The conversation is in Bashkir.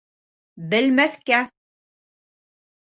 Белмәҫкә!